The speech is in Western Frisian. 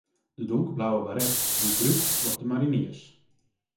De donkerblauwe baret wurdt brûkt troch de mariniers.